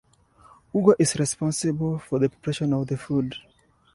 Ugo is responsible for the preparation of the food.